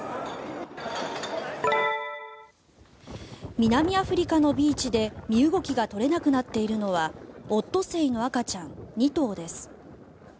南アフリカのビーチで身動きが取れなくなっているのはオットセイの赤ちゃん２頭です。